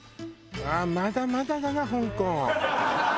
ああまだまだだな香港。